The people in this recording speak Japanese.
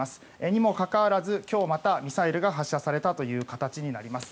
にもかかわらず、今日またミサイルが発射されたという形になります。